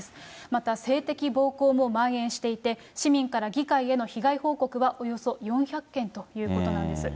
また、性的暴行もまん延していて、市民から議会への被害報告はおよそ４００件ということなんです。